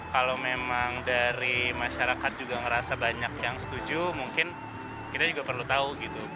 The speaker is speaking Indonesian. kalau memang dari masyarakat juga ngerasa banyak yang setuju mungkin kita juga perlu tahu gitu